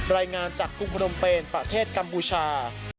รายงานจากกรุงพนมเปนประเทศกัมพูชา